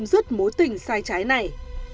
tùng muốn chấm dứt mối tình sai trái này